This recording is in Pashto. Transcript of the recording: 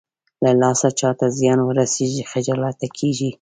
له لاسه چاته زيان ورسېږي خجالته کېږي.